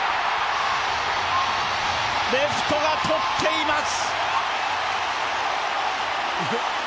レフトが取っています。